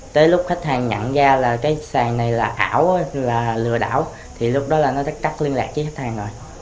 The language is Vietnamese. tới lúc khách hàng nhận ra là cái sàn này là ảo là lừa đảo thì lúc đó là nó sẽ cắt liên lạc với khách hàng rồi